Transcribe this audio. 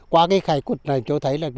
qua cái khải quật này tôi thấy là